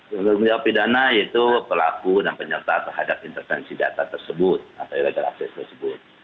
tanggung jawab pidana yaitu pelaku dan penyerta terhadap intervensi data tersebut atau illegal access tersebut